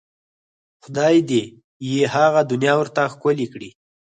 خدای دې یې هغه دنیا ورته ښکلې کړي.